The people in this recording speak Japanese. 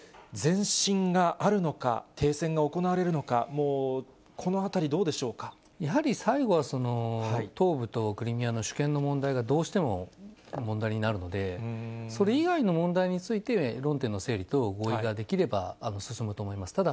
前進があるのか、停戦が行われるのか、もう、このあたりどうでしやはり最後は、東部とクリミアの主権の問題がどうしても問題になるので、それ以外の問題について、論点の整理と合意ができれば、進むと思います。